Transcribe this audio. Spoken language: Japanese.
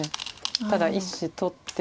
ただ１子取って。